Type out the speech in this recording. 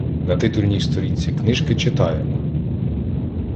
На титульній сторінці книжки читаємо: